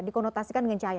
dikonotasikan dengan cahaya